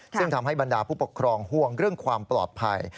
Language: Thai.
ซึ่งทำให้บรรดาผู้ปกครองห่วงเรื่องความปลอดภัย